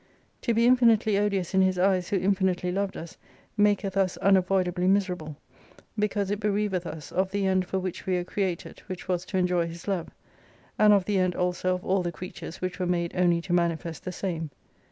To be infinitely odious in His eyes who mfinitely loved us, maketh us unavoidably miserable : because it bereaveth us of the end for which we were created, which was to enjoy His love : and of the end also of all the creatures which were made only to mani fest .the same.